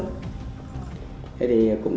thế thì cũng